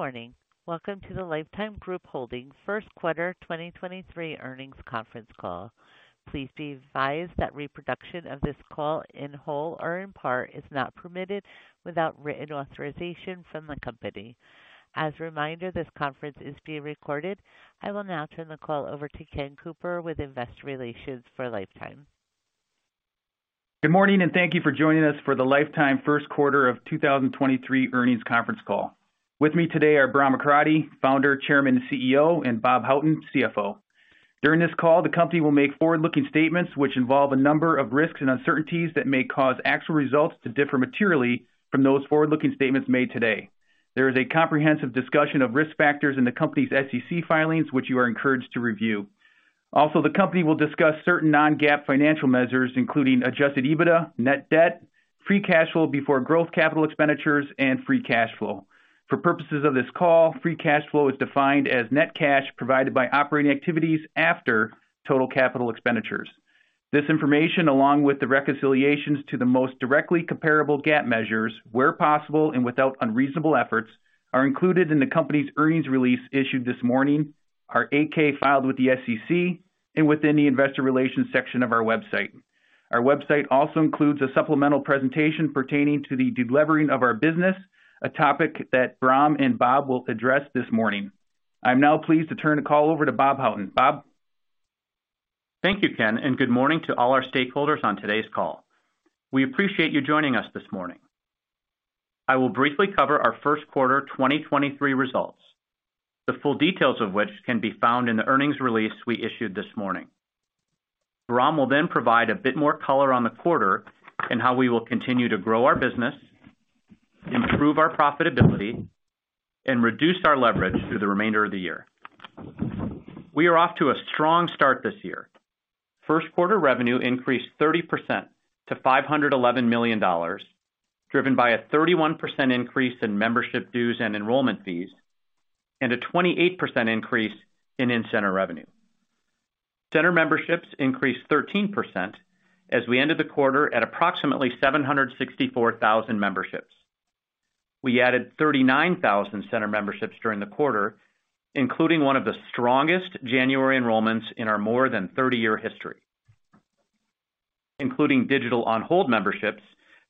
Good morning. Welcome to the Life Time Group Holdings First Quarter 2023 Earnings Conference Call. Please be advised that reproduction of this call in whole or in part is not permitted without written authorization from the company. As a reminder, this conference is being recorded. I will now turn the call over to Ken Cooper with Investor Relations for Life Time. Good morning, and thank you for joining us for the Life Time First Quarter of 2023 earnings conference call. With me today are Bahram Akradi, Founder, Chairman, and CEO; and Bob Houghton, CFO. During this call, the company will make forward-looking statements which involve a number of risks and uncertainties that may cause actual results to differ materially from those forward-looking statements made today. There is a comprehensive discussion of risk factors in the company's SEC filings, which you are encouraged to review. Also, the company will discuss certain non-GAAP financial measures, including adjusted EBITDA, net debt, free cash flow before growth capital expenditures, and free cash flow. For purposes of this call, free cash flow is defined as net cash provided by operating activities after total capital expenditures. This information, along with the reconciliations to the most directly comparable GAAP measures, where possible and without unreasonable efforts, are included in the company's earnings release issued this morning, our 8-K filed with the SEC, and within the investor relations section of our website. Our website also includes a supplemental presentation pertaining to the delevering of our business, a topic that Bahram and Bob will address this morning. I'm now pleased to turn the call over to Bob Houghton. Bob? Thank you, Ken. Good morning to all our stakeholders on today's call. We appreciate you joining us this morning. I will briefly cover our first quarter 2023 results, the full details of which can be found in the earnings release we issued this morning. Bahram will then provide a bit more color on the quarter and how we will continue to grow our business, improve our profitability, and reduce our leverage through the remainder of the year. We are off to a strong start this year. First quarter revenue increased 30% to $511 million, driven by a 31% increase in membership dues and enrollment fees and a 28% increase in in-center revenue. Center memberships increased 13% as we ended the quarter at approximately 764,000 memberships. We added 39,000 center memberships during the quarter, including one of the strongest January enrollments in our more than 30-year history. Including digital on-hold memberships,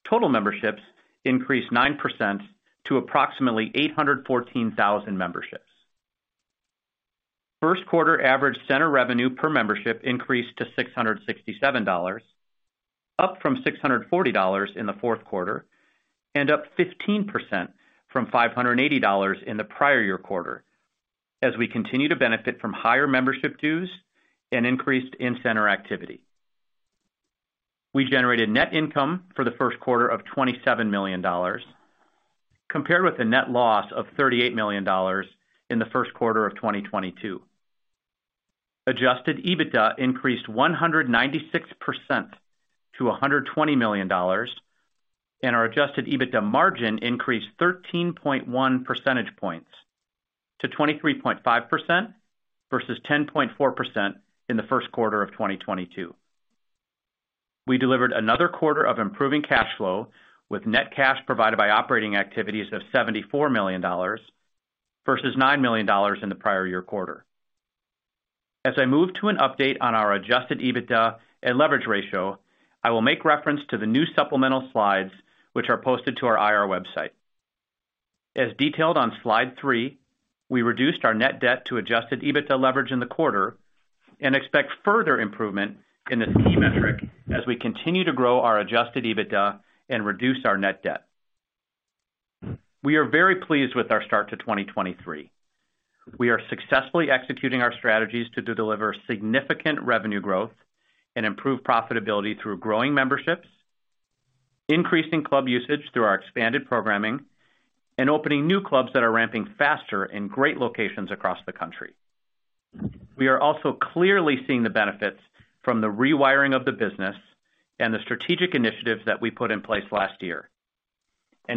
total memberships increased 9% to approximately 814,000 memberships. First quarter average center revenue per membership increased to $667, up from $640 in the fourth quarter and up 15% from $580 in the prior year quarter as we continue to benefit from higher membership dues and increased in-center activity. We generated net income for the first quarter of $27 million, compared with a net loss of $38 million in the first quarter of 2022. Adjusted EBITDA increased 196% to $120 million, and our adjusted EBITDA margin increased 13.1 percentage points to 23.5% versus 10.4% in the first quarter of 2022. We delivered another quarter of improving cash flow with net cash provided by operating activities of $74 million versus $9 million in the prior year quarter. As I move to an update on our adjusted EBITDA and leverage ratio, I will make reference to the new supplemental slides which are posted to our IR website. As detailed on slide 3, we reduced our net debt to adjusted EBITDA leverage in the quarter and expect further improvement in this key metric as we continue to grow our adjusted EBITDA and reduce our net debt. We are very pleased with our start to 2023. We are successfully executing our strategies to deliver significant revenue growth and improve profitability through growing memberships, increasing club usage through our expanded programming, and opening new clubs that are ramping faster in great locations across the country. We are also clearly seeing the benefits from the rewiring of the business and the strategic initiatives that we put in place last year.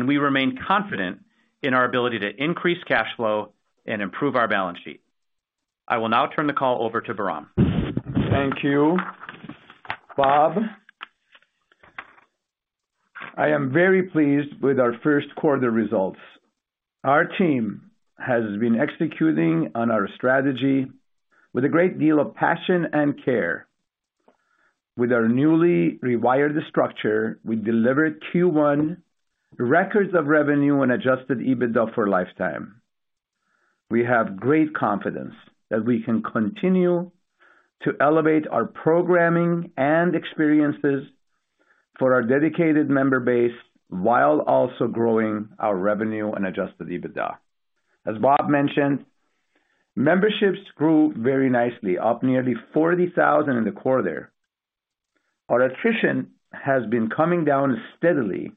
We remain confident in our ability to increase cash flow and improve our balance sheet. I will now turn the call over to Bahram. Thank you, Bob. I am very pleased with our first quarter results. Our team has been executing on our strategy with a great deal of passion and care. With our newly rewired structure, we delivered Q1 records of revenue and adjusted EBITDA for Life Time. We have great confidence that we can continue to elevate our programming and experiences for our dedicated member base while also growing our revenue and adjusted EBITDA. As Bob mentioned, memberships grew very nicely, up nearly 40,000 in the quarter. Our attrition has been coming down steadily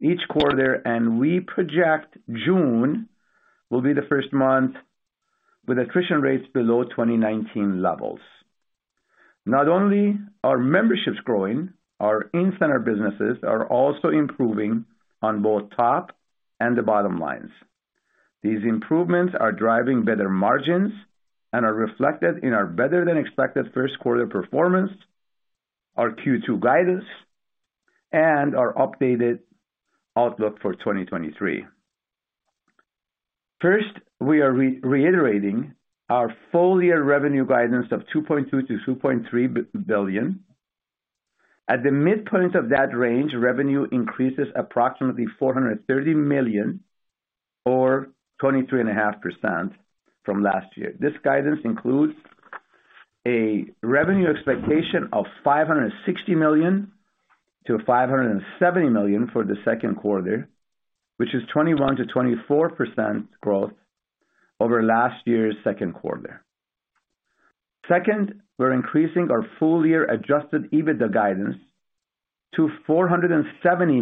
each quarter, and we project June will be the first month with attrition rates below 2019 levels. Not only are memberships growing, our in-center businesses are also improving on both top and the bottom lines. These improvements are driving better margins and are reflected in our better than expected first quarter performance, our Q2 guidance and our updated outlook for 2023. First, we are reiterating our full-year revenue guidance of $2.2 billion-$2.3 billion. At the midpoint of that range, revenue increases approximately $430 million or 23.5% from last year. This guidance includes a revenue expectation of $560 million-$570 million for the second quarter, which is 21%-24% growth over last year's second quarter. Second, we're increasing our full year adjusted EBITDA guidance to $470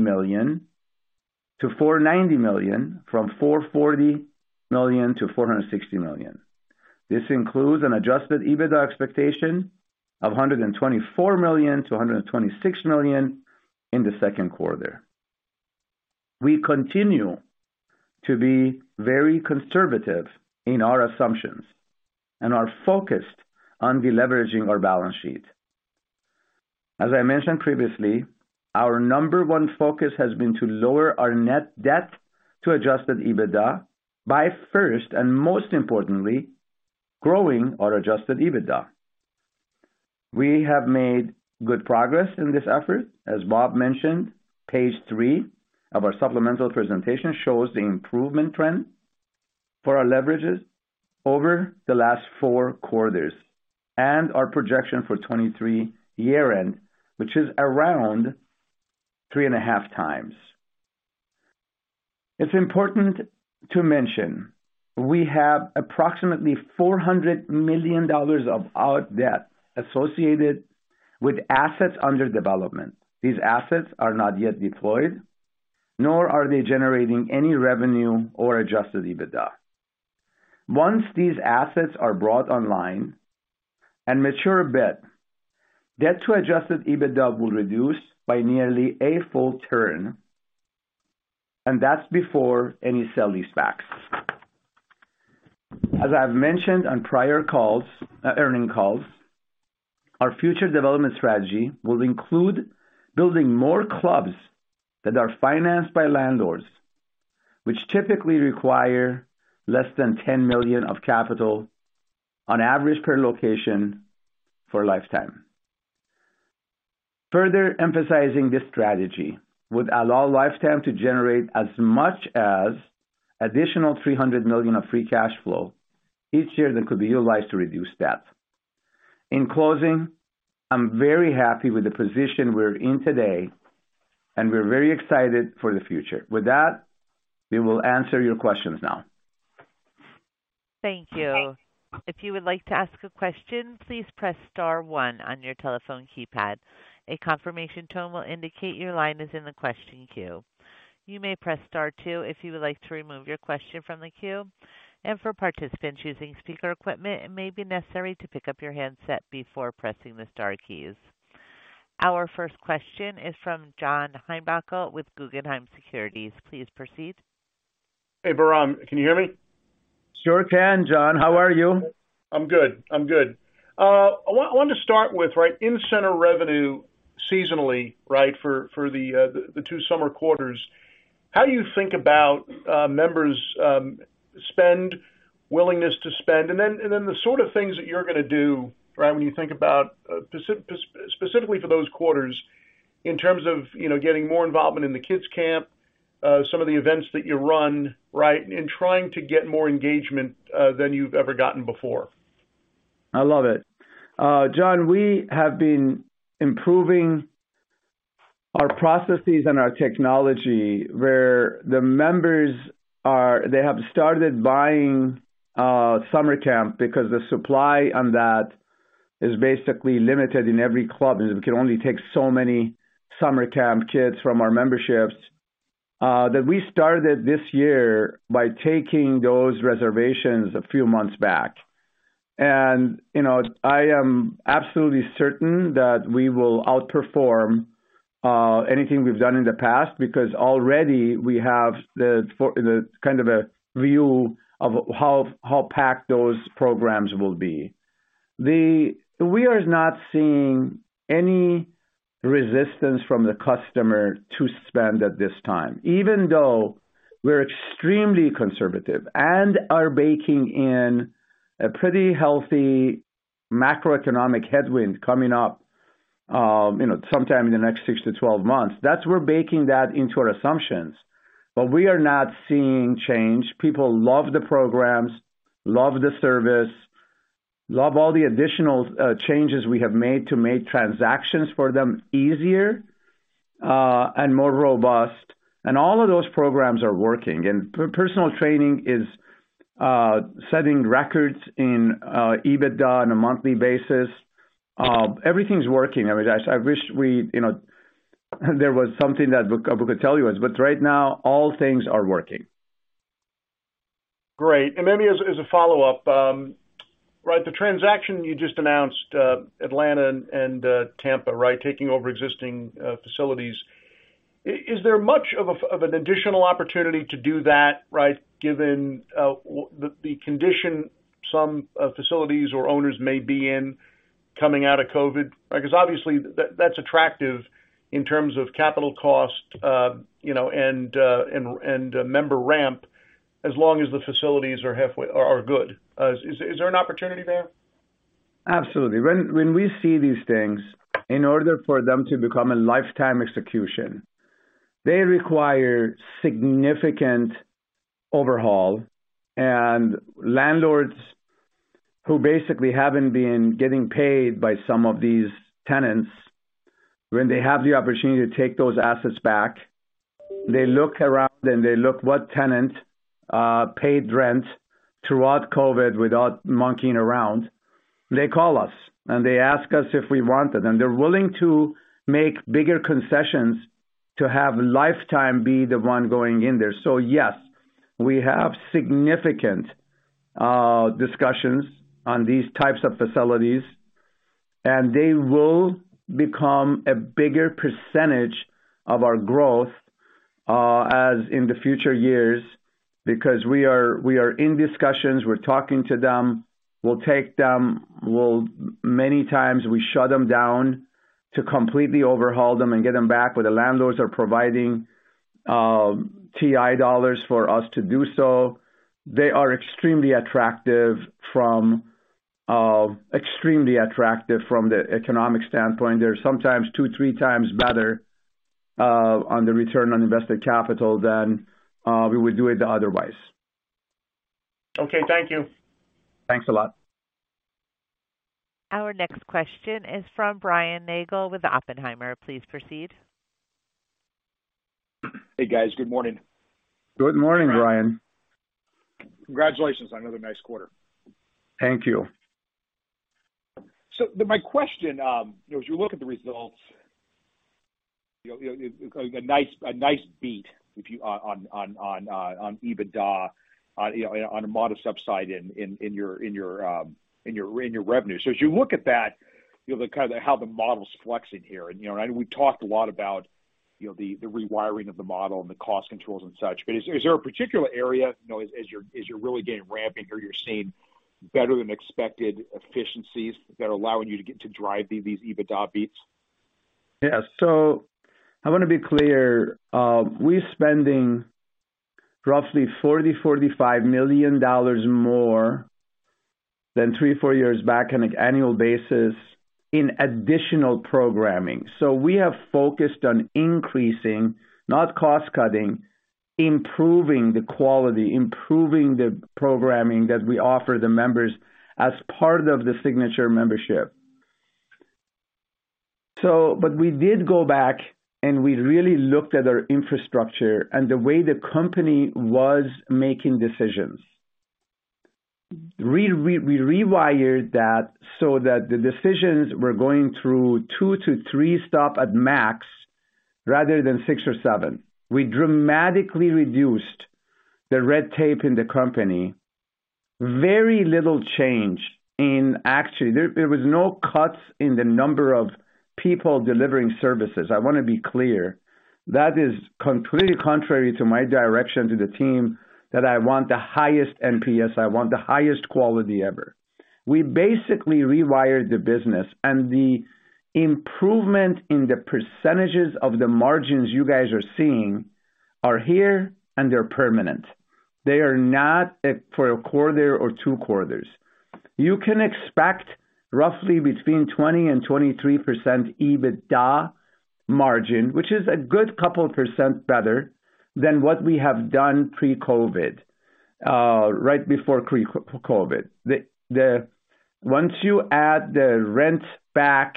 million-$490 million from $440 million-$460 million. This includes an adjusted EBITDA expectation of $124 million-$126 million in the second quarter. We continue to be very conservative in our assumptions and are focused on deleveraging our balance sheet. As I mentioned previously, our number one focus has been to lower our net debt to adjusted EBITDA by first, and most importantly, growing our adjusted EBITDA. We have made good progress in this effort. As Bob mentioned, page three of our supplemental presentation shows the improvement trend for our leverages over the last four quarters and our projection for 2023 year-end, which is around 3.5x. It's important to mention, we have approximately $400 million of our debt associated with assets under development. These assets are not yet deployed, nor are they generating any revenue or adjusted EBITDA. Once these assets are brought online and mature a bit, debt to adjusted EBITDA will reduce by nearly a full turn. That's before any sale-leasebacks. As I've mentioned on prior earning calls, our future development strategy will include building more clubs that are financed by landlords, which typically require less than $10 million of capital on average per location for Life Time. Further emphasizing this strategy would allow Life Time to generate as much as additional $300 million of free cash flow each year that could be utilized to reduce debt. In closing, I'm very happy with the position we're in today, and we're very excited for the future. With that, we will answer your questions now. Thank you. If you would like to ask a question, please press star one on your telephone keypad. A confirmation tone will indicate your line is in the question queue. You may press star two if you would like to remove your question from the queue. For participants using speaker equipment, it may be necessary to pick up your handset before pressing the star keys. Our first question is from John Heinbockel with Guggenheim Securities. Please proceed. Hey, Bahram, can you hear me? Sure can, John. How are you? I'm good. I'm good. I wanted to start with, right, in-center revenue seasonally, right, for the two summer quarters. How do you think about members' spend, willingness to spend? Then the sort of things that you're gonna do, right, when you think about specifically for those quarters in terms of, you know, getting more involvement in the kids camp, some of the events that you run, right, in trying to get more engagement than you've ever gotten before. I love it. John, we have been improving our processes and our technology where they have started buying summer camp because the supply on that is basically limited in every club, and we can only take so many summer camp kids from our memberships that we started this year by taking those reservations a few months back. You know, I am absolutely certain that we will outperform anything we've done in the past because already we have kind of a view of how packed those programs will be. We are not seeing any resistance from the customer to spend at this time, even though we're extremely conservative and are baking in a pretty healthy macroeconomic headwind coming up, you know, sometime in the next six to 12 months. That's we're baking that into our assumptions. We are not seeing change. People love the programs, love the service, love all the additional changes we have made to make transactions for them easier and more robust. All of those programs are working. Personal Training is setting records in EBITDA on a monthly basis. Everything's working. I mean, I wish we, you know, there was something that we could tell you, but right now, all things are working. Great. Maybe as a follow-up, right, the transaction you just announced, Atlanta and Tampa, right, taking over existing facilities. Is there much of an additional opportunity to do that, right, given the condition some facilities or owners may be in coming out of COVID? Because obviously, that's attractive in terms of capital cost, you know, and member ramp, as long as the facilities are good. Is there an opportunity there? Absolutely. When we see these things, in order for them to become a Life Time execution, they require significant overhaul. Landlords who basically haven't been getting paid by some of these tenants, when they have the opportunity to take those assets back, they look around, and they look what tenant paid rent throughout COVID without monkeying around. They call us, and they ask us if we want it, and they're willing to make bigger concessions to have Life Time be the one going in there. Yes, we have significant discussions on these types of facilities, and they will become a bigger percentage of our growth as in the future years, because we are in discussions. We're talking to them. We'll take them. Many times we shut them down to completely overhaul them and get them back where the landlords are providing TI dollars for us to do so. They are extremely attractive from the economic standpoint. They're sometimes 2x, 3x times better on the return on invested capital than we would do it otherwise. Okay, thank you. Thanks a lot. Our next question is from Brian Nagel with Oppenheimer. Please proceed. Hey, guys. Good morning. Good morning, Brian. Congratulations on another nice quarter. Thank you. My question, as you look at the results, you know, a nice beat on EBITDA on a modest subside in your revenue. As you look at that, you know, the kind of how the model is flexing here, and, you know, and we talked a lot about, you know, the rewiring of the model and the cost controls and such. Is there a particular area, you know, as you're really getting ramping here, you're seeing better than expected efficiencies that are allowing you to get to drive these EBITDA beats? Yeah. I want to be clear, we're spending roughly $40 million-$45 million more than three, four years back on an annual basis in additional programming. We have focused on increasing, not cost cutting, improving the quality, improving the programming that we offer the members as part of the Signature Membership. We did go back, and we really looked at our infrastructure and the way the company was making decisions. We rewired that so that the decisions were going through two to three-stop at max rather than six or seven. We dramatically reduced the red tape in the company. Very little change in actually. There was no cuts in the number of people delivering services. I wanna be clear. That is completely contrary to my direction to the team that I want the highest NPS, I want the highest quality ever. We basically rewired the business, and the improvement in the percentages of the margins you guys are seeing are here, and they're permanent. They are not for a quarter or two quarters. You can expect roughly between 20% and 23% EBITDA margin, which is a good couple of % better than what we have done pre-COVID, right before pre-COVID. Once you add the rent back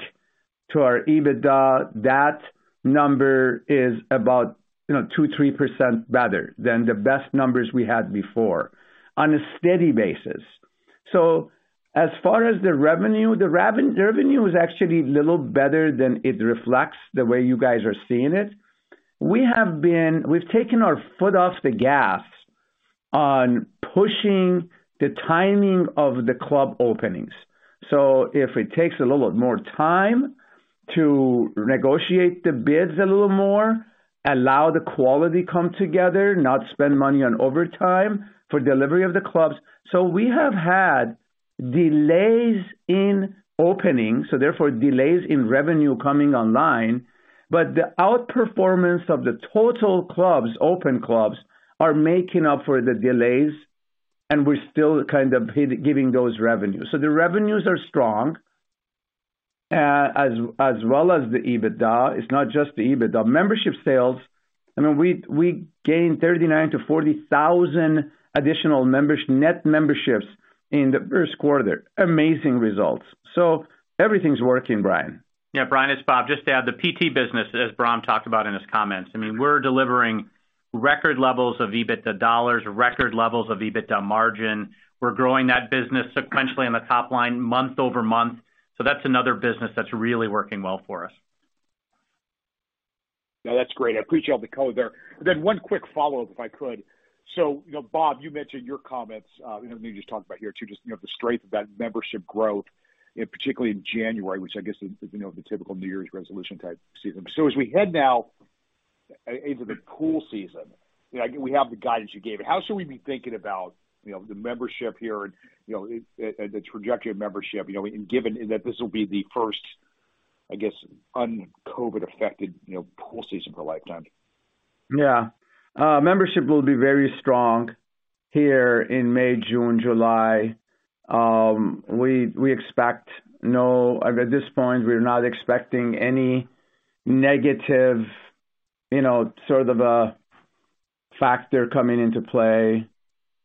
to our EBITDA, that number is about 2%, 3% better than the best numbers we had before on a steady basis. As far as the revenue, the revenue is actually a little better than it reflects the way you guys are seeing it. We've taken our foot off the gas on pushing the timing of the club openings. If it takes a little bit more time to negotiate the bids a little more, allow the quality come together, not spend money on overtime for delivery of the clubs. We have had delays in opening, so therefore, delays in revenue coming online. The outperformance of the total clubs, open clubs, are making up for the delays, and we're still kind of giving those revenues. The revenues are strong, as well as the EBITDA. It's not just the EBITDA. Membership sales, I mean, we gained 39,000-40,000 additional members, net memberships in the first quarter. Amazing results. Everything's working, Brian. Brian, it's Bob. Just to add, the PT business, as Bahram talked about in his comments, I mean, we're delivering record levels of EBITDA dollars, record levels of EBITDA margin. We're growing that business sequentially on the top line month-over-month. That's another business that's really working well for us. No, that's great. I appreciate all the color there. One quick follow-up, if I could. You know, Bob, you mentioned your comments, you know, just talked about here, too, just, you know, the strength of that membership growth. Particularly in January, which I guess is, you know, the typical New Year's resolution type season. As we head now into the pool season, you know, we have the guidance you gave. How should we be thinking about, you know, the membership here and, you know, the trajectory of membership, you know, and given that this will be the first, I guess, un-COVID-affected, you know, pool season for Life Time? Membership will be very strong here in May, June, July. At this point, we're not expecting any negative, you know, sort of a factor coming into play.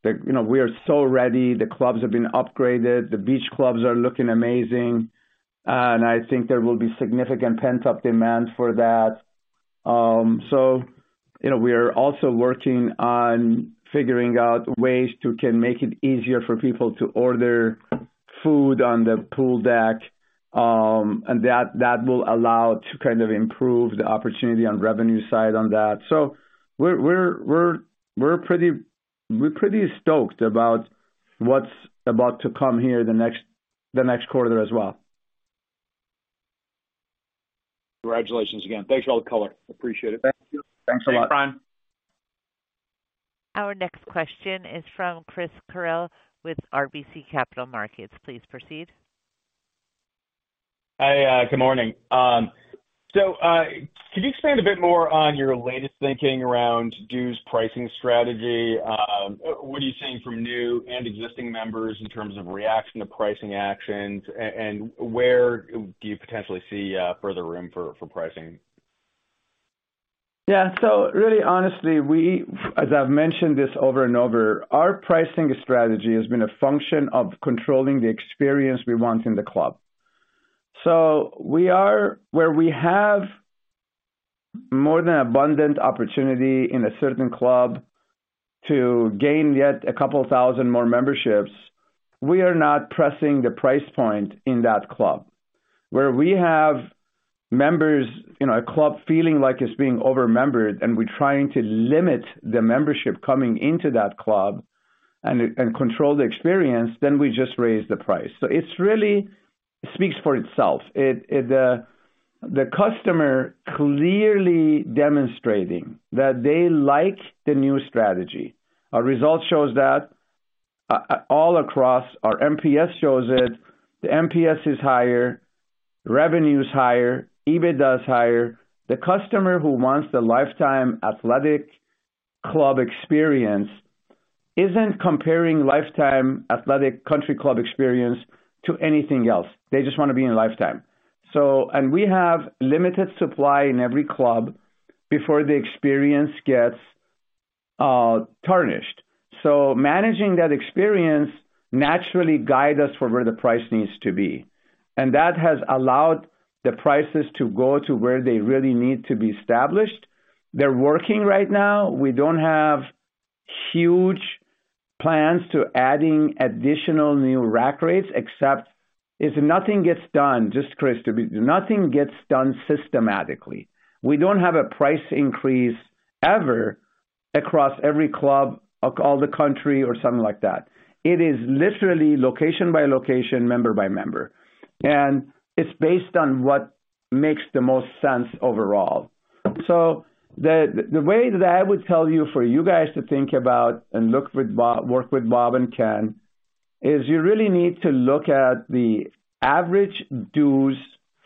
You know, we are so ready. The clubs have been upgraded. The Beach Clubs are looking amazing. I think there will be significant pent-up demand for that. You know, we are also working on figuring out ways to make it easier for people to order food on the pool deck, and that will allow to kind of improve the opportunity on revenue side on that. We're pretty stoked about what's about to come here the next quarter as well. Congratulations again. Thanks for all the color. Appreciate it. Thank you. Thanks a lot. Thanks, Brian. Our next question is from Chris Carril with RBC Capital Markets. Please proceed. Hi, good morning. Could you expand a bit more on your latest thinking around dues pricing strategy? What are you seeing from new and existing members in terms of reaction to pricing actions and where do you potentially see further room for pricing? Really honestly, as I've mentioned this over and over, our pricing strategy has been a function of controlling the experience we want in the club. We are where we have more than abundant opportunity in a certain club to gain yet a couple thousand more memberships, we are not pressing the price point in that club. Where we have members in a club feeling like it's being over-membered, and we're trying to limit the membership coming into that club and control the experience, then we just raise the price. It's really speaks for itself. It... The customer clearly demonstrating that they like the new strategy. Our results shows that all across our NPS shows it. The NPS is higher, revenue is higher, EBITDA is higher. The customer who wants the Life Time Athletic experience isn't comparing Life Time Athletic country club experience to anything else. They just wanna be in Life Time. We have limited supply in every club before the experience gets tarnished. Managing that experience naturally guide us for where the price needs to be. That has allowed the prices to go to where they really need to be established. They're working right now. We don't have huge plans to adding additional new rack rates, except if nothing gets done, just Chris, to be. Nothing gets done systematically. We don't have a price increase ever across every club all the country or something like that. It is literally location by location, member by member. It's based on what makes the most sense overall. The way that I would tell you for you guys to think about and work with Bob Houghton and Ken Cooper is you really need to look at the average dues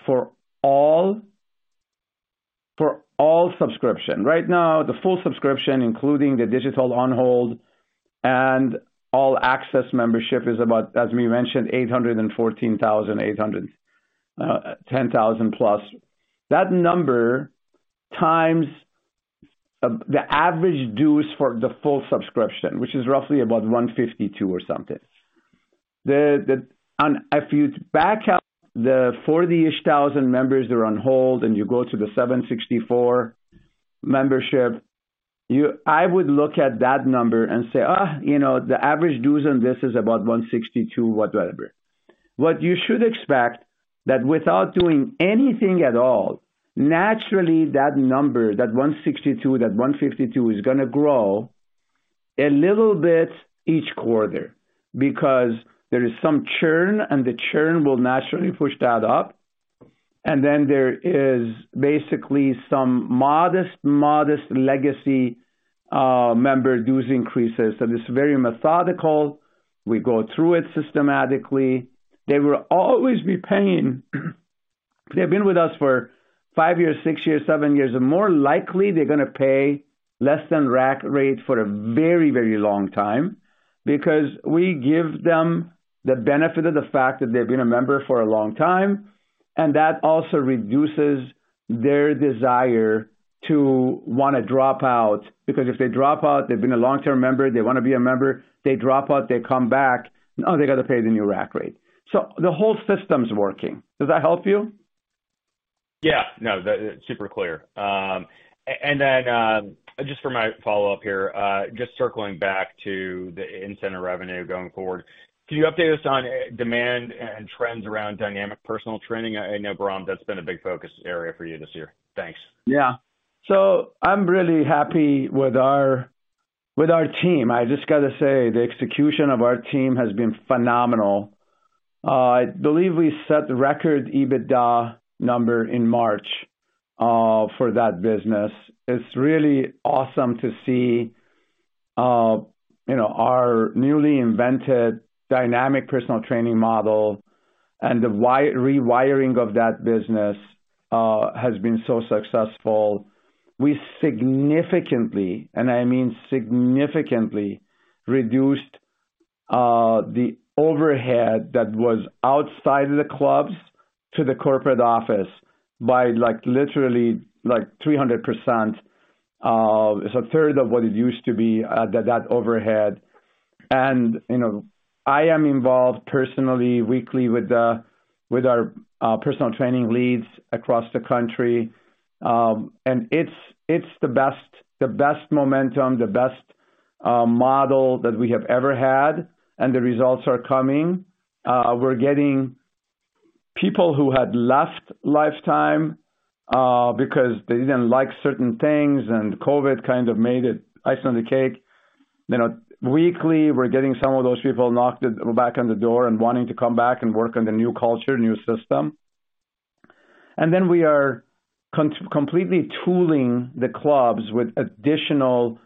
for all subscription. Right now, the full subscription, including the digital on-hold and All Access membership, is about, as we mentioned, 814,000+. That number times the average dues for the full subscription, which is roughly about $152 or something. If you back out the $40,000 members that are on hold and you go to the 764 membership, I would look at that number and say, "you know, the average dues on this is about $162, whatever." What you should expect, that without doing anything at all, naturally, that number, that $162, that $152 is gonna grow a little bit each quarter because there is some churn, and the churn will naturally push that up. Then there is basically some modest legacy member dues increases. It's very methodical. We go through it systematically. They will always be paying. If they've been with us for five years, six years, seven years, the more likely they're gonna pay less than rack rate for a very, very long time because we give them the benefit of the fact that they've been a member for a long time, and that also reduces their desire to wanna drop out. Because if they drop out, they've been a long-term member, they wanna be a member, they drop out, they come back, now they've got to pay the new rack rate. The whole system's working. Does that help you? Yeah. No, that super clear. Then, just for my follow-up here, just circling back to the in-center revenue going forward. Can you update us on demand and trends around Dynamic Personal Training? I know, Bahram, that's been a big focus area for you this year. Thanks. Yeah. I'm really happy with our team, I just gotta say, the execution of our team has been phenomenal. I believe we set the record EBITDA number in March for that business. It's really awesome to see, you know, our newly invented Dynamic Personal Training model and the rewiring of that business has been so successful. We significantly, and I mean significantly, reduced the overhead that was outside of the clubs to the corporate office by, like, literally, like, 300%, so a third of what it used to be at that overhead. You know, I am involved personally, weekly with our Personal Training leads across the country. And it's the best momentum, the best model that we have ever had, and the results are coming. We're getting people who had left Life Time because they didn't like certain things and COVID kind of made it icing on the cake. You know, weekly, we're getting some of those people knocked it back on the door and wanting to come back and work on the new culture, new system. Then we are completely tooling the clubs with additional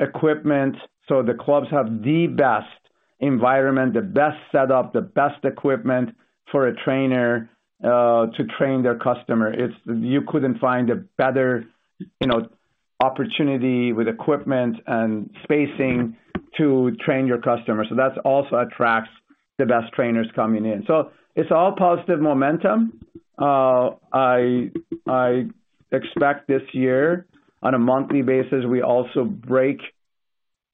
equipment, so the clubs have the best environment, the best setup, the best equipment for a trainer to train their customer. You couldn't find a better, you know, opportunity with equipment and spacing to train your customers. That also attracts the best trainers coming in. It's all positive momentum. I expect this year, on a monthly basis, we also break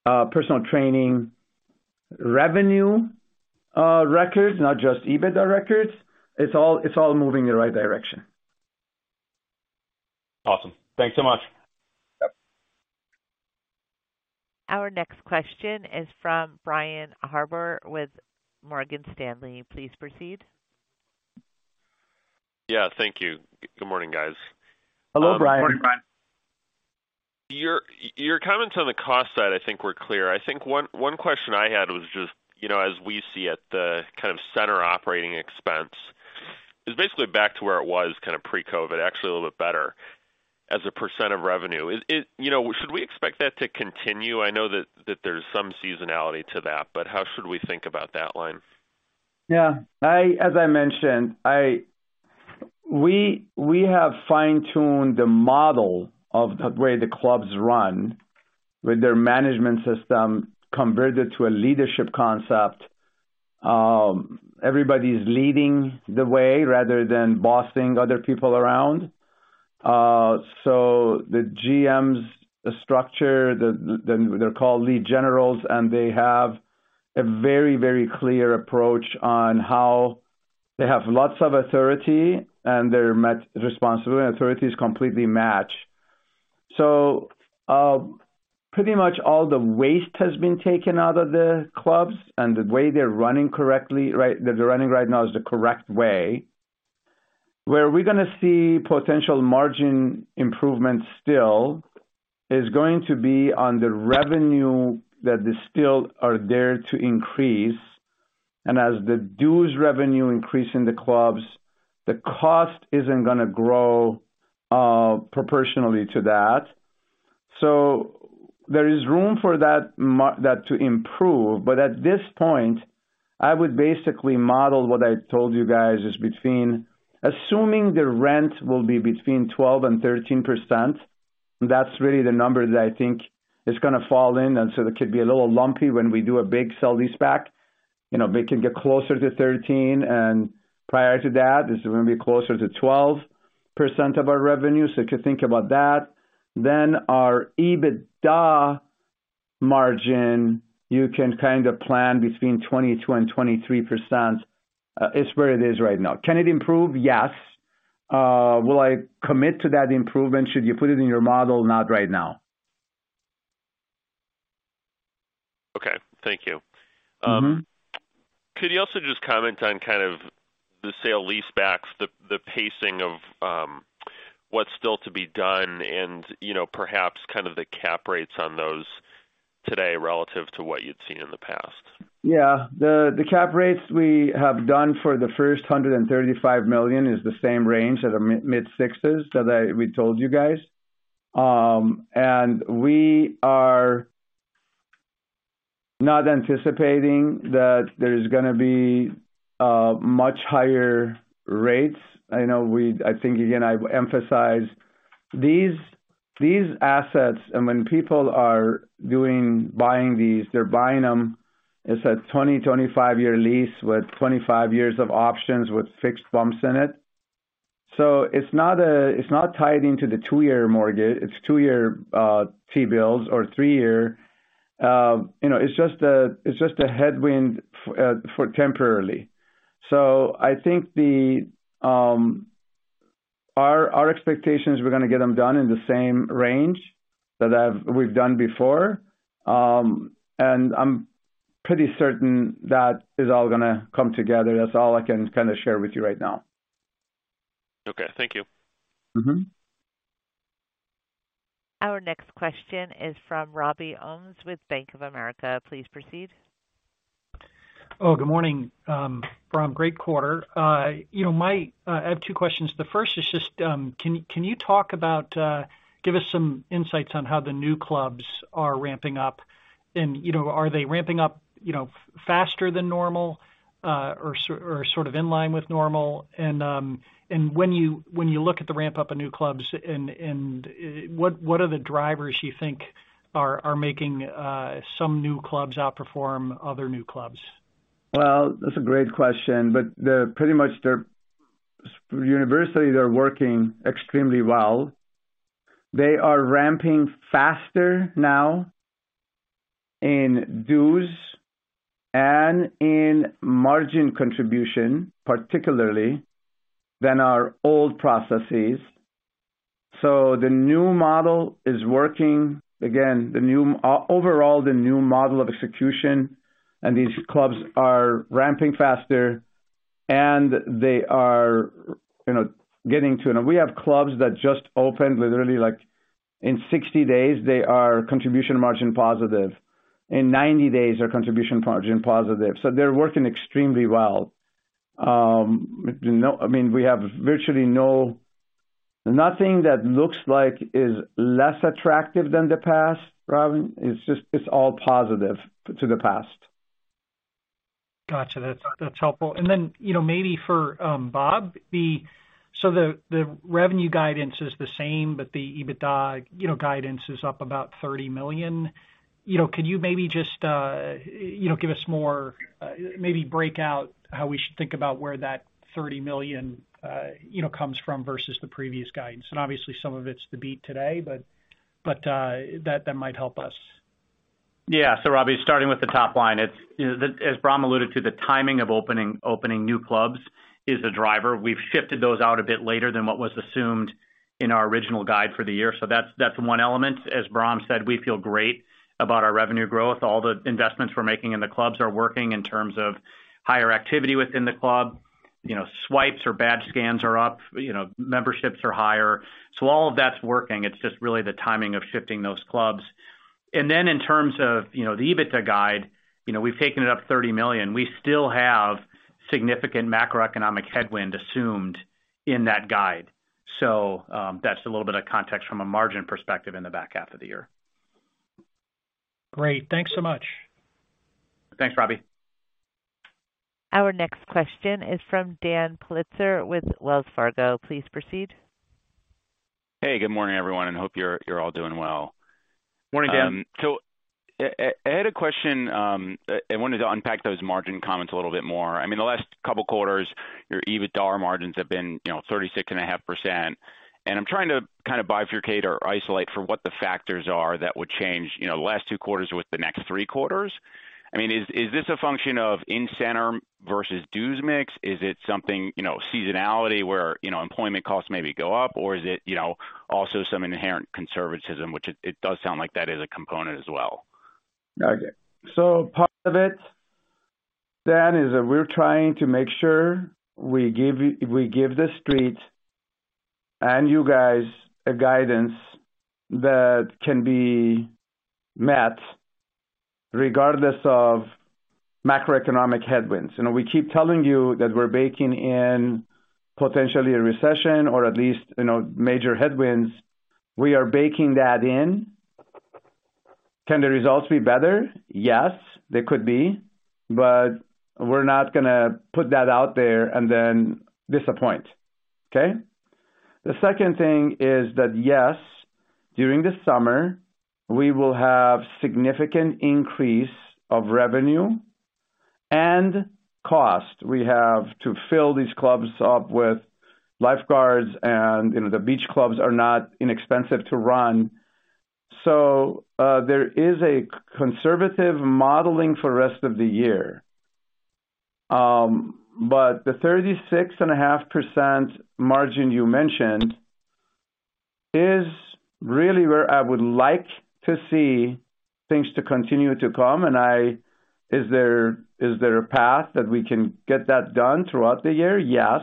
Personal Training revenue records, not just EBITDA records. It's all, it's all moving in the right direction. Awesome. Thanks so much. Yep. Our next question is from Brian Harbour with Morgan Stanley. Please proceed. Yeah, thank you. Good morning, guys. Hello, Brian. Good morning, Brian. Your comments on the cost side, I think were clear. I think one question I had was just, you know, as we see it, the kind of center operating expense is basically back to where it was kind of pre-COVID, actually a little bit better as a percent of revenue. Is, you know, should we expect that to continue? I know that there's some seasonality to that, but how should we think about that line? As I mentioned, we have fine-tuned the model of the way the clubs run with their management system converted to a leadership concept. Everybody's leading the way rather than bossing other people around. The GMs structure, they're called Lead Generals, they have a very clear approach on how they have lots of authority and their responsibility and authority is completely matched. Pretty much all the waste has been taken out of the clubs, the way they're running correctly, that they're running right now is the correct way. Where we're gonna see potential margin improvement still is going to be on the revenue that is still are there to increase. As the dues revenue increase in the clubs, the cost isn't gonna grow proportionally to that. There is room for that to improve. At this point, I would basically model what I told you guys is between... Assuming the rent will be between 12% and 13%, that's really the number that I think is gonna fall in. It could be a little lumpy when we do a big sale-leaseback. You know, they can get closer to 13%, and prior to that, this is gonna be closer to 12% of our revenue. If you think about that, then our EBITDA margin, you can kind of plan between 22% and 23%, is where it is right now. Can it improve? Yes. Will I commit to that improvement should you put it in your model? Not right now. Okay. Thank you. Mm-hmm. Could you also just comment on kind of the sale-leasebacks, the pacing of, what's still to be done and, you know, perhaps kind of the cap rates on those today relative to what you'd seen in the past? The cap rates we have done for the first $135 million is the same range at a mid-6s that we told you guys. We are not anticipating that there's gonna be much higher rates. I know I think, again, I emphasize these assets, when people are buying these, they're buying them, it's a 20-25 year lease with 25 years of options with fixed bumps in it. It's not tied into the two-year mortgage. It's two-year T-bills or three-year. you know, it's just a headwind for temporarily. I think the Our expectation is we're gonna get them done in the same range that we've done before. I'm pretty certain that is all gonna come together. That's all I can kinda share with you right now. Okay. Thank you. Mm-hmm. Our next question is from Robbie Ohmes with Bank of America. Please proceed. Good morning, Bahram. Great quarter. you know, I have two questions. The first is just, can you talk about, give us some insights on how the new clubs are ramping up and, you know, are they ramping up, you know, faster than normal, or sort of in line with normal? When you look at the ramp-up of new clubs and, what are the drivers you think are making some new clubs outperform other new clubs? That's a great question, pretty much they're universally they're working extremely well. They are ramping faster now in dues and in contribution margin, particularly than our old processes. The new model is working. Again, overall, the new model of execution and these clubs are ramping faster and they are, you know, getting to... We have clubs that just opened literally like in 60 days, they are contribution margin positive. In 90 days, they're contribution margin positive. They're working extremely well. I mean, we have virtually no... Nothing that looks like is less attractive than the past, Robbie. It's just, it's all positive to the past. Got you. That's, that's helpful. Maybe for Bob, the revenue guidance is the same, but the EBITDA, you know, guidance is up about $30 million. Could you maybe just, you know, maybe break out how we should think about where that $30 million, you know, comes from versus the previous guidance? Obviously, some of it's the beat today, but that might help us. Robbie, starting with the top line, as Bahram alluded to, the timing of opening new clubs is a driver. We've shifted those out a bit later than what was assumed in our original guide for the year. That's, that's one element. As Bahram said, we feel great about our revenue growth. All the investments we're making in the clubs are working in terms of higher activity within the club. You know, swipes or badge scans are up, you know, memberships are higher. All of that's working. It's just really the timing of shifting those clubs. In terms of, you know, the EBITDA guide, you know, we've taken it up $30 million. We still have significant macroeconomic headwind assumed in that guide. That's a little bit of context from a margin perspective in the back half of the year. Great. Thanks so much. Thanks, Robbie. Our next question is from Daniel Politzer with Wells Fargo. Please proceed. Hey, good morning, everyone, and hope you're all doing well. Morning, Dan. I had a question and wanted to unpack those margin comments a little bit more. I mean, the last couple quarters, your EBITDA margins have been, you know, 36.5%. I'm trying to kind of bifurcate or isolate for what the factors are that would change, you know, the last two quarters with the next three quarters. I mean, is this a function of in-center versus dues mix? Is it something, you know, seasonality where, you know, employment costs maybe go up? Is it, you know, also some inherent conservatism, which it does sound like that is a component as well? Got you. Part of it, Dan, is that we're trying to make sure we give we give the Street and you guys a guidance that can be met regardless of macroeconomic headwinds. You know, we keep telling you that we're baking in potentially a recession or at least, you know, major headwinds. We are baking that in. Can the results be better? Yes, they could be. We're not gonna put that out there and then disappoint. Okay? The second thing is that, yes, during the summer, we will have significant increase of revenue and cost. We have to fill these clubs up with lifeguards and, you know, the Beach Clubs are not inexpensive to run. There is a conservative modeling for the rest of the year. The 36.5% margin you mentioned is really where I would like to see things to continue to come. Is there a path that we can get that done throughout the year? Yes.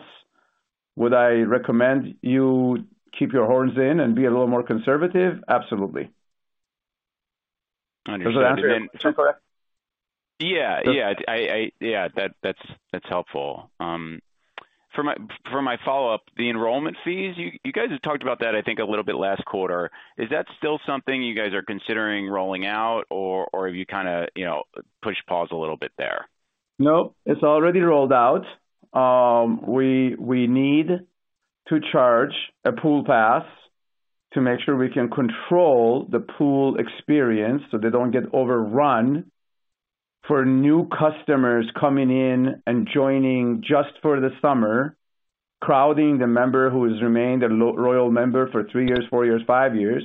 Would I recommend you keep your horns in and be a little more conservative? Absolutely. Understood. Does that answer your question? Yeah. Yeah. Yeah, that's helpful. For my follow-up, the enrollment fees, you guys have talked about that I think a little bit last quarter. Is that still something you guys are considering rolling out or have you kinda, you know, pushed pause a little bit there? No, it's already rolled out. We need to charge a pool pass to make sure we can control the pool experience so they don't get overrun for new customers coming in and joining just for the summer, crowding the member who has remained a loyal member for three years, four years, five years.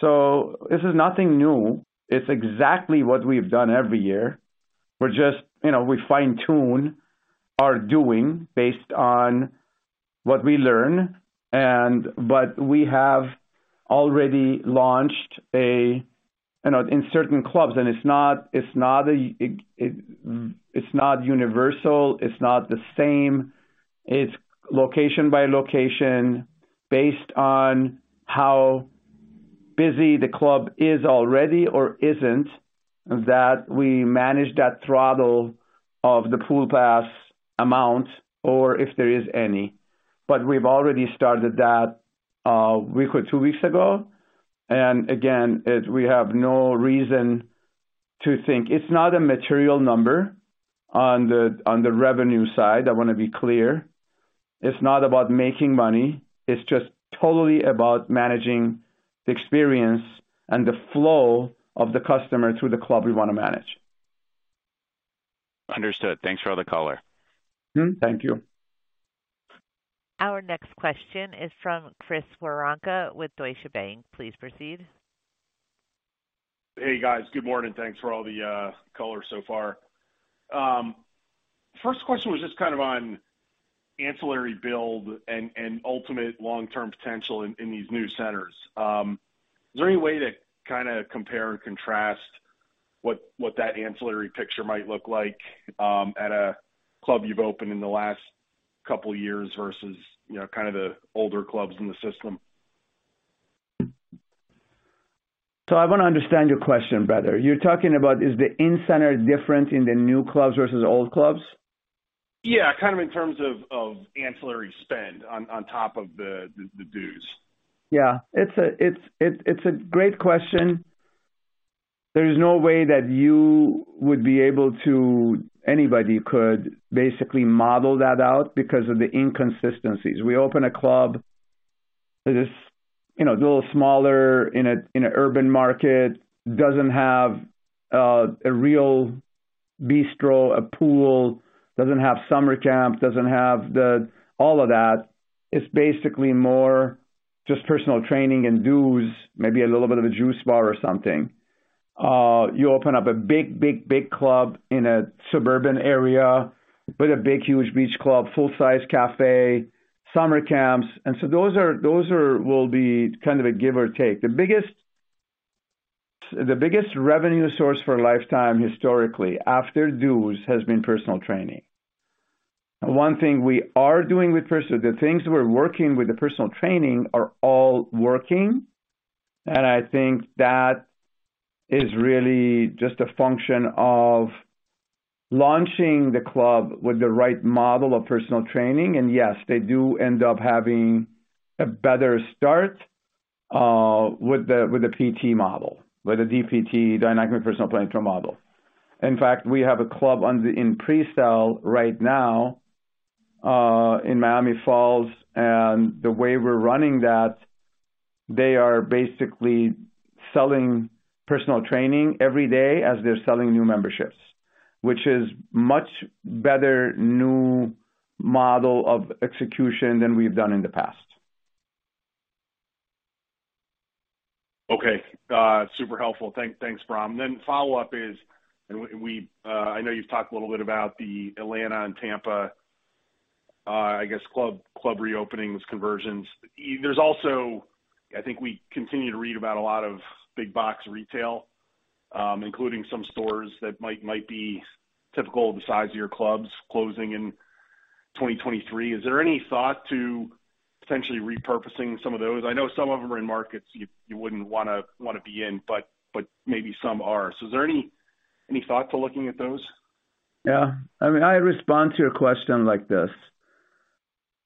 This is nothing new. It's exactly what we've done every year. You know, we fine-tune our doing based on what we learn and. We have already launched You know, in certain clubs. It's not, it's not universal, it's not the same. It's location by location based on how busy the club is already or isn't, that we manage that throttle of the pool pass amount or if there is any. We've already started that one week or two weeks ago. We have no reason to think. It's not a material number on the revenue side, I wanna be clear. It's not about making money. It's just totally about managing the experience and the flow of the customer through the club we wanna manage. Understood. Thanks for all the color. Thank you. Our next question is from Chris Woronka with Deutsche Bank. Please proceed. Hey, guys. Good morning. Thanks for all the color so far. First question was just kind of on ancillary build and ultimate long-term potential in these new centers. Is there any way to kinda compare and contrast what that ancillary picture might look like at a club you've opened in the last couple years versus, you know, kind of the older clubs in the system? I wanna understand your question better. You're talking about is the in-center different in the new clubs versus old clubs? Yeah. Kind of in terms of ancillary spend on top of the dues. It's a great question. There is no way that anybody could basically model that out because of the inconsistencies. We open a club that is, you know, a little smaller in an urban market, doesn't have a real bistro, a pool, doesn't have summer camp, doesn't have all of that. It's basically more just Personal Training and dues, maybe a little bit of a juice bar or something. You open up a big, big, big club in a suburban area with a big, huge Beach Club, full-sized cafe, summer camps. Those are will be kind of a give or take. The biggest revenue source for Life Time historically, after dues, has been Personal Training. One thing we are doing with the things we're working with the Personal Training are all working, and I think that is really just a function of launching the club with the right model of Personal Training. Yes, they do end up having a better start with the PT model, with a DPT, dynamic personal trainer model. We have a club in pre-sale right now in The Falls, and the way we're running that, they are basically selling Personal Training every day as they're selling new memberships, which is much better new model of execution than we've done in the past. Okay. Super helpful. Thanks, Bahram. Follow-up is, I know you've talked a little bit about the Atlanta and Tampa, I guess, club reopenings, conversions. There's also, I think we continue to read about a lot of big box retail, including some stores that might be typical of the size of your clubs closing in 2023. Is there any thought to potentially repurposing some of those? I know some of them are in markets you wouldn't wanna be in, but maybe some are. Is there any thought to looking at those? Yeah. I mean, I respond to your question like this: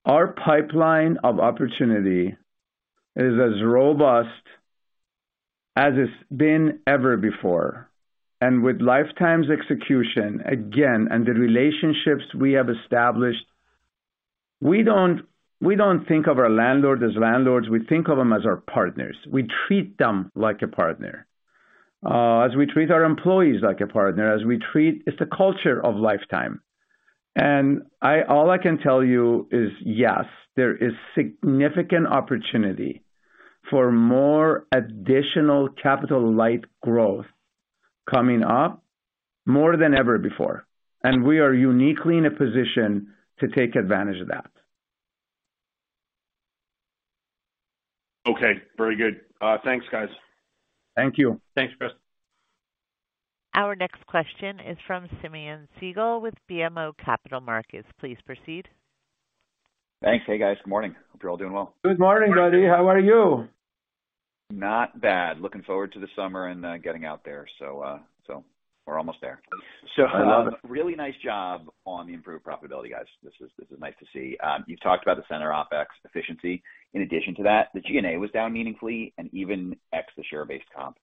Our pipeline of opportunity is as robust as it's been ever before. With Life Time's execution, again, and the relationships we have established, we don't think of our landlords as landlords, we think of them as our partners. We treat them like a partner, as we treat our employees like a partner. It's the culture of Life Time. All I can tell you is, yes, there is significant opportunity for more additional capital-light growth coming up more than ever before, and we are uniquely in a position to take advantage of that. Okay. Very good. Thanks, guys. Thank you. Thanks, Chris. Our next question is from Simeon Siegel with BMO Capital Markets. Please proceed. Thanks. Hey, guys. Good morning. Hope you're all doing well. Good morning, buddy. How are you? Not bad. Looking forward to the summer and getting out there. We're almost there. I love it. Really nice job on the improved profitability, guys. This is nice to see. You've talked about the center OpEx efficiency. In addition to that, the G&A was down meaningfully and even ex the share-based comp.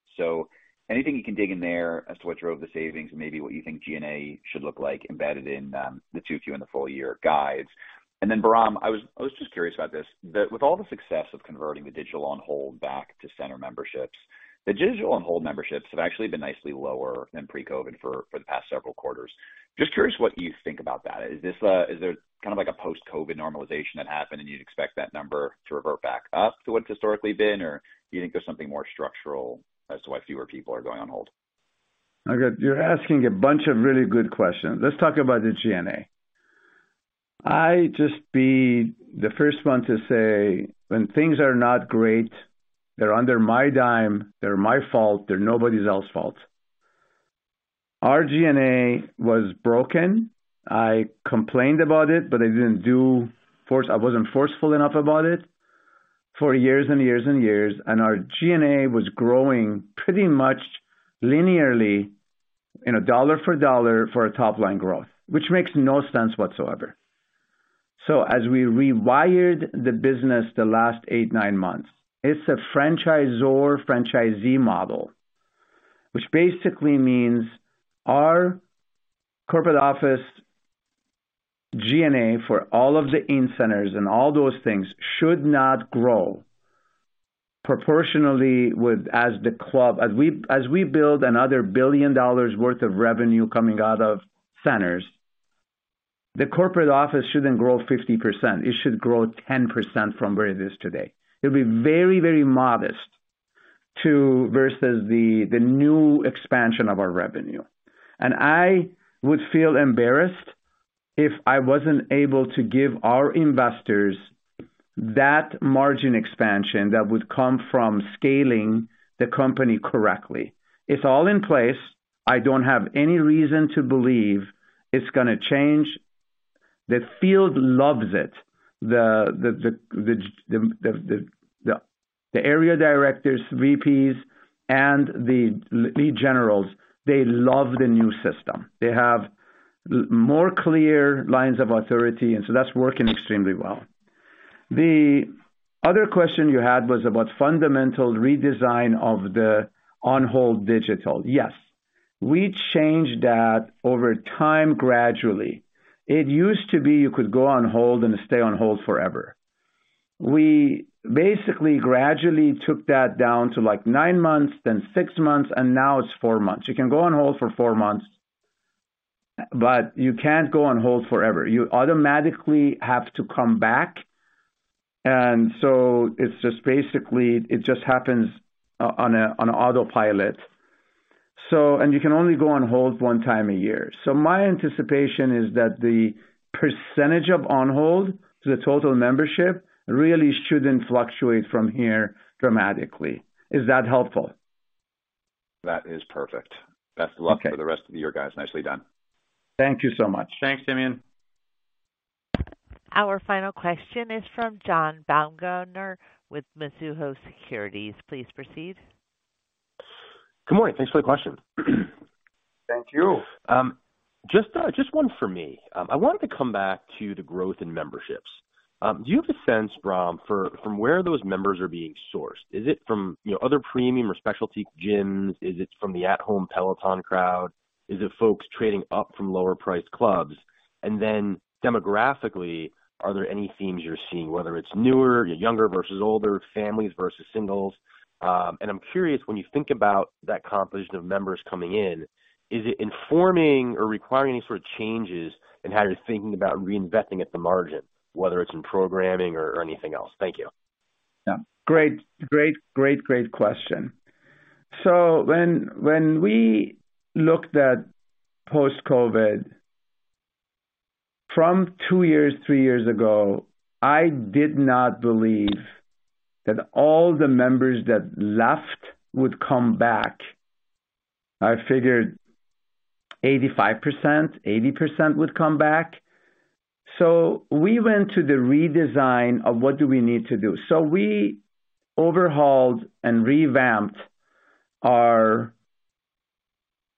Anything you can dig in there as to what drove the savings and maybe what you think G&A should look like embedded in the 2Q and the full year guides? Bahram, I was just curious about this. With all the success of converting the digital on hold back to center memberships, the digital on hold memberships have actually been nicely lower than pre-COVID for the past several quarters. Just curious what you think about that. Is there kind of like a post-COVID normalization that happened and you'd expect that number to revert back up to what's historically been? Do you think there's something more structural as to why fewer people are going on hold? Okay. You're asking a bunch of really good questions. Let's talk about the G&A. I just be the first one to say when things are not great, they're under my dime, they're my fault, they're nobody's else fault. Our G&A was broken. I complained about it, but I wasn't forceful enough about it for years and years and years, and our G&A was growing pretty much linearly in a dollar for dollar for a top-line growth, which makes no sense whatsoever. As we rewired the business the last 8, 9 months, it's a franchisor-franchisee model, which basically means our corporate office G&A for all of the in-centers and all those things should not grow proportionally with... as the club. As we build another $1 billion worth of revenue coming out of centers, the corporate office shouldn't grow 50%. It should grow 10% from where it is today. It'll be very, very modest versus the new expansion of our revenue. I would feel embarrassed if I wasn't able to give our investors that margin expansion that would come from scaling the company correctly. It's all in place. I don't have any reason to believe it's gonna change. The field loves it. The Area Directors, VPs, and the Lead Generals, they love the new system. They have more clear lines of authority, and so that's working extremely well. The other question you had was about fundamental redesign of the on-hold digital. Yes. We changed that over time gradually. It used to be you could go on hold and stay on hold forever. We basically gradually took that down to like nine months, then six months, and now it's four months. You can go on hold for four months, but you can't go on hold forever. You automatically have to come back, it's just basically it just happens on autopilot. You can only go on hold 1 time a year. My anticipation is that the percentage of on-hold to the total membership really shouldn't fluctuate from here dramatically. Is that helpful? That is perfect. Okay. Best of luck for the rest of the year, guys. Nicely done. Thank you so much. Thanks, Simeon. Our final question is from John Baumgartner with Mizuho Securities. Please proceed. Good morning. Thanks for the question. Thank you. Just one for me. I wanted to come back to the growth in memberships. Do you have a sense, Bahram, from where those members are being sourced? Is it from, you know, other premium or specialty gyms? Is it from the at-home Peloton crowd? Is it folks trading up from lower priced clubs? Demographically, are there any themes you're seeing, whether it's newer, younger versus older, families versus singles? I'm curious when you think about that composition of members coming in, is it informing or requiring any sort of changes in how you're thinking about reinvesting at the margin, whether it's in programming or anything else? Thank you. Yeah. Great. Great, great question. When we looked at post-COVID from two years, three years ago, I did not believe that all the members that left would come back. I figured 85%, 80% would come back. We went to the redesign of what do we need to do. We overhauled and revamped our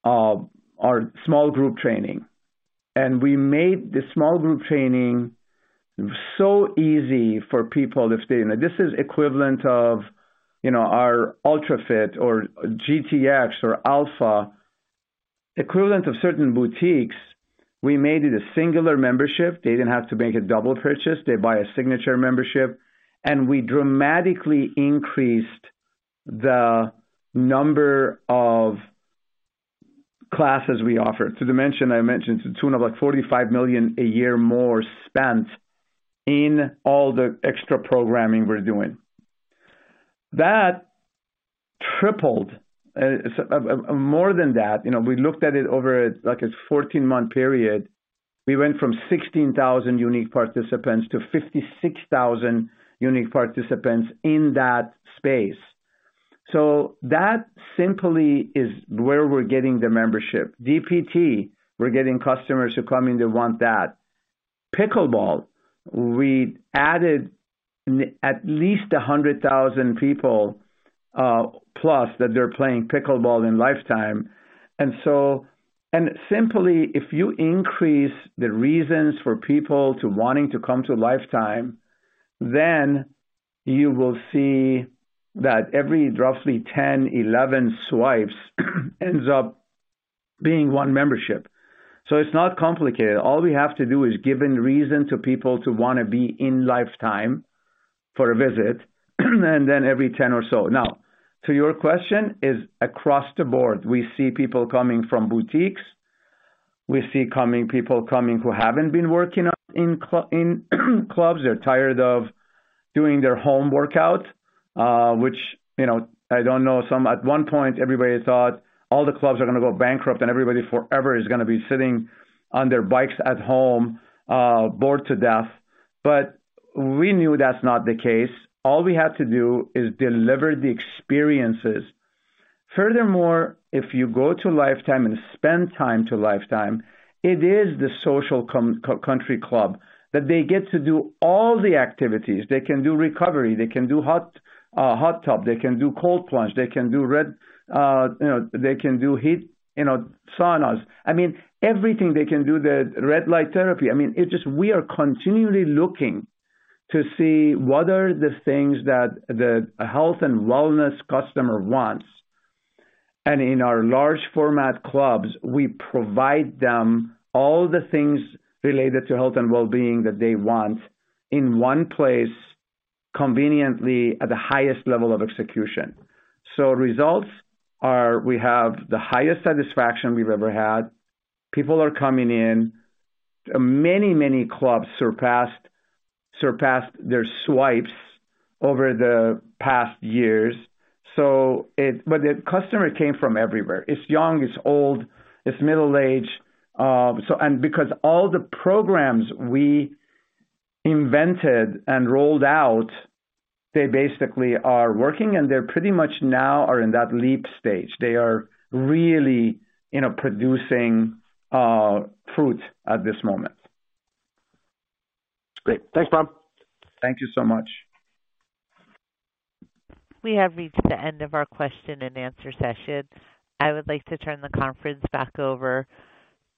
small group training. We made the small group training so easy for people to stay in it. This is equivalent of, you know, our Ultra Fit or GTX or Alpha, equivalent of certain boutiques. We made it a singular membership. They didn't have to make a double purchase. They buy a Signature Membership, and we dramatically increased the number of classes we offer. To the mention I mentioned, to the tune of like $45 million a year more spent in all the extra programming we're doing. That tripled, more than that. You know, we looked at it over like a 14-month period. We went from 16,000 unique participants to 56,000 unique participants in that space. That simply is where we're getting the membership. DPT, we're getting customers who come in, they want that. pickleball, we added at least 100,000 people, plus that they're playing pickleball in Life Time. Simply, if you increase the reasons for people to wanting to come to Life Time, then you will see that every roughly 10, 11 swipes ends up being one membership. It's not complicated. All we have to do is give a reason to people to wanna be in Life Time for a visit, and then every 10 or so. Now, to your question is across the board. We see people coming from boutiques. We see people coming who haven't been working out in clubs. They're tired of doing their home workout, which, you know, I don't know, at one point, everybody thought all the clubs are gonna go bankrupt and everybody forever is gonna be sitting on their bikes at home, bored to death. We knew that's not the case. All we had to do is deliver the experiences. Furthermore, if you go to Life Time and spend time to Life Time, it is the social country club that they get to do all the activities. They can do recovery, they can do hot tub, they can do cold plunge, they can do red, you know, they can do heat, you know, saunas. I mean, everything they can do, the red light therapy. I mean, it just... We are continually looking to see what are the things that the health and wellness customer wants. In our large format clubs, we provide them all the things related to health and wellbeing that they want in one place, conveniently at the highest level of execution. Results are, we have the highest satisfaction we've ever had. People are coming in. Many clubs surpassed their swipes over the past years. The customer came from everywhere. It's young, it's old, it's middle age. Because all the programs we invented and rolled out, they basically are working and they're pretty much now are in that leap stage. They are really, you know, producing fruit at this moment. Great. Thanks, Bahram. Thank you so much. We have reached the end of our question and answer session. I would like to turn the conference back over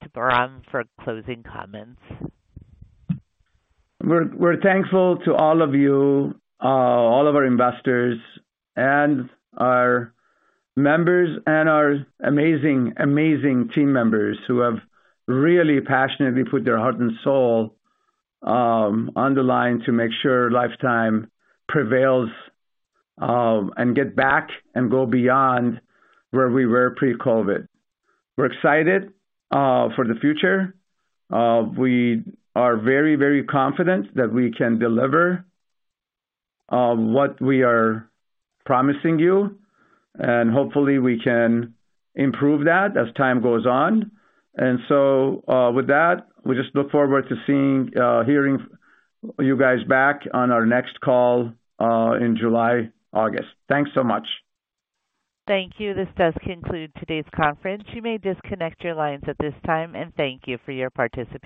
to Bahram for closing comments. We're thankful to all of you, all of our investors and our members and our amazing team members who have really passionately put their heart and soul on the line to make sure Life Time prevails and get back and go beyond where we were pre-COVID. We're excited for the future. We are very confident that we can deliver what we are promising you, and hopefully, we can improve that as time goes on. With that, we just look forward to seeing hearing you guys back on our next call in July, August. Thanks so much. Thank you. This does conclude today's conference. You may disconnect your lines at this time, and thank you for your participation.